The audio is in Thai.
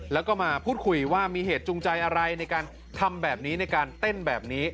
แล้วก็มาพูดคุยว่ามีเหตุจูงใจอะไรในการทำแบบนี้ในการเต้นแบบนี้